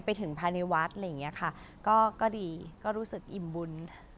ภายในวัดอะไรอย่างนี้ค่ะก็ดีก็รู้สึกอิ่มบุญ